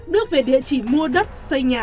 đức về địa chỉ mua đất xây nhà